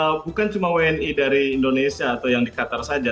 ya bukan cuma wni dari indonesia atau yang di qatar saja